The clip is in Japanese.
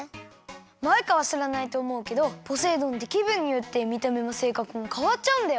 マイカはしらないとおもうけどポセイ丼ってきぶんによってみためもせいかくもかわっちゃうんだよ。